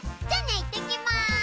じゃあねいってきます。